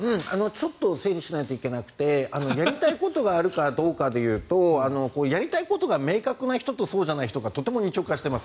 ちょっと整理しないといけなくてやりたいことがあるかどうかでいうとやりたいことが明確な人とそうじゃない人がとても二極化しています